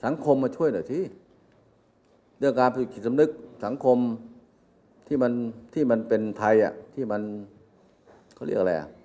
สังคมมาช่วยหน่อยสิเรื่องการผลิตคิดสำนึกสังคมที่มันเป็นไทย